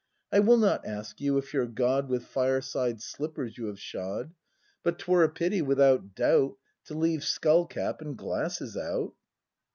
I will not ask you, if your God With fireside slippers you have shod; But 'twere a pity, without doubt. To leave skull cap and glasses out.